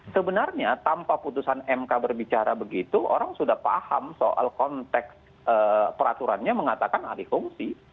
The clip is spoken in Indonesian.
sebenarnya tanpa putusan mk berbicara begitu orang sudah paham soal konteks peraturannya mengatakan alih fungsi